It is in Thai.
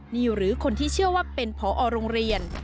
นี่หรือคนที่เชื่อว่าเป็นผอโรงเรียน